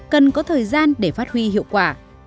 cần có thời gian để phát huy hiệu quả